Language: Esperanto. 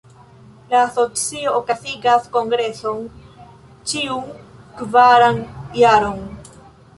La Asocio okazigas kongreson ĉiun kvaran jaron.